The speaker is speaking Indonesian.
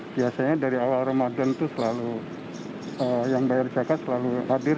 biasanya dari awal ramadan itu selalu yang bayar zakat selalu hadir